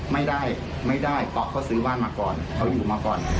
ไม่ได้ไม่ได้เพราะเขาซื้อบ้านมาก่อนเขาอยู่มาก่อน